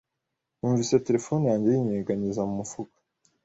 Numvise terefone yanjye yinyeganyeza mu mufuka.